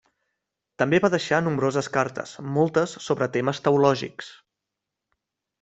També va deixar nombroses cartes, moltes sobre temes teològics.